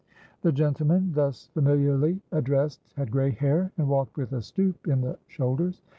The gentleman thus familiarly addressed had grey hair and walked with a stoop in the shoulders.